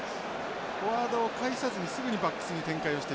フォワードを介さずにすぐにバックスに展開をしていきました。